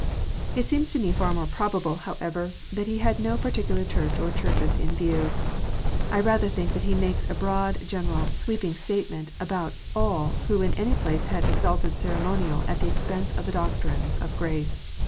It seems to me far more probable, however, that he had no particular Church or Churches in view. I rather think that he makes a broad, general, sweeping statement about all who in any place had exalted ceremonial at the expense of the doctrines of "grace."